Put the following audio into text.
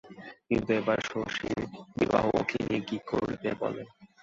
কিন্তু এবার শশীর বিবাহে ওকে নিয়ে কী করবে বলো।